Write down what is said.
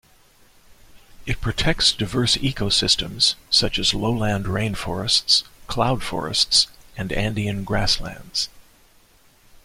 It protects diverse ecosystems such as lowland rainforests, cloud forests and Andean grasslands.